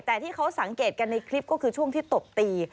แต่ที่เขาสังเกตกันในคลิปก็คือช่วงที่ตบตี